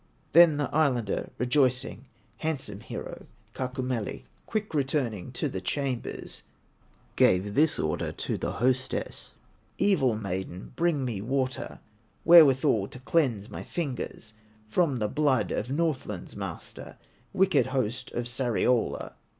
Then the Islander, rejoicing, Handsome hero, Kaukomieli, Quick returning to the chambers, Gave this order to the hostess: "Evil maiden, bring me water, Wherewithal to cleanse my fingers From the blood of Northland's master, Wicked host of Sariola."